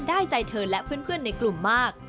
ได้ใจเธอและเพื่อนในกลุ่มมาก